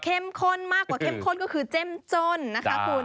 ข้นมากกว่าเข้มข้นก็คือเจ้มจ้นนะคะคุณ